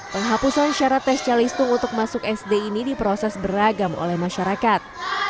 penghapusan syarat tes calistung untuk masuk sd ini diproses beragam oleh masyarakat